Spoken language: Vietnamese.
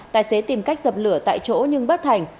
tài xế tìm cách dập lửa tại chỗ nhưng bất thành